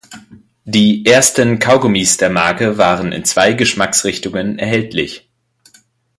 Die ersten Kaugummis der Marke waren in zwei Geschmacksrichtungen erhältlich.